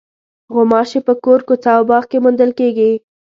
غوماشې په کور، کوڅه او باغ کې موندل کېږي.